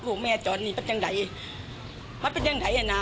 ลูกแม่จอนนี้เป็นอย่างไรมันเป็นอย่างไรนะ